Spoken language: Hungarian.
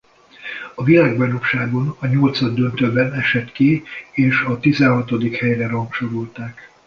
A világbajnokságon a nyolcaddöntőben esett ki és a tizenhatodik helyre rangsorolták.